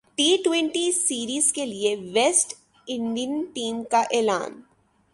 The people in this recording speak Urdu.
ٹی ٹوئنٹی سیریز کیلئے ویسٹ انڈین ٹیم کااعلان